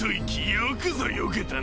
よくぞよけたな。